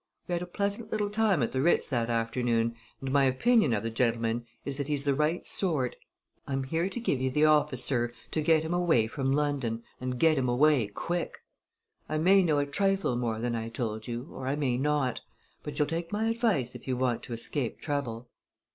We had a pleasant little time at the Ritz that afternoon, and my opinion of the gentleman is that he's the right sort, I'm here to give you the office, sir, to get him away from London and get him away quick. I may know a trifle more than I've told you, or I may not; but you'll take my advice if you want to escape trouble."